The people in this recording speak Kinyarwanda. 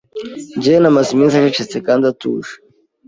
Jane amaze iminsi acecetse kandi atuje.